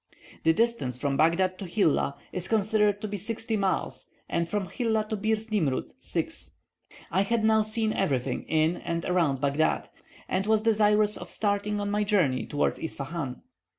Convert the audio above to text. The distance from Baghdad to Hilla is considered to be sixty miles, and from Hilla to Birs Nimroud six. I had now seen everything in and around Baghdad, and was desirous of starting on my journey towards Ispahan.